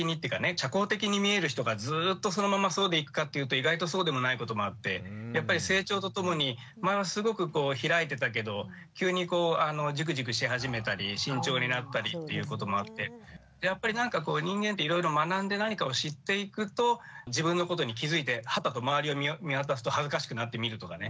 社交的に見える人がずっとそのままそうでいくかっていうと意外とそうでもないこともあってやっぱり成長とともに前はすごくこう開いてたけど急にこうジュクジュクし始めたり慎重になったりっていうこともあってやっぱりなんかこう人間っていろいろ学んで何かを知っていくと自分のことに気付いてはたと周りを見渡すと恥ずかしくなってみるとかね。